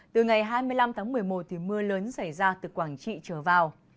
từ ngày hai mươi năm tháng một mươi một thì mưa lớn xảy ra từ quảng trị trở vào